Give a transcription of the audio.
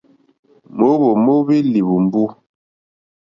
Mǒhwò móhwí líhwùmbú.